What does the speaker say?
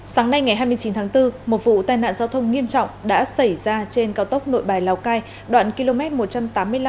sáng nay ngày hai mươi chín tháng bốn một vụ tai nạn giao thông nghiêm trọng đã xảy ra trên cao tốc nội bài lào cai